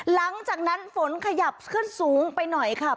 หลังจากนั้นฝนขยับขึ้นสูงไปหน่อยค่ะ